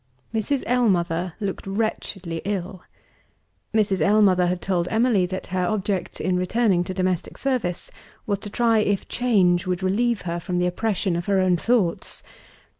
Mrs. Ellmother looked wretchedly ill. Mrs. Ellmother had told Emily that her object, in returning to domestic service, was to try if change would relieve her from the oppression of her own thoughts.